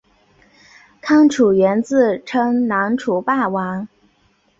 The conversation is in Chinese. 康楚元自称南楚霸王。